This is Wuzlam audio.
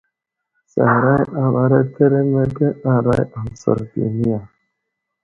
Saray awara ateremeke aray aməsər duniya.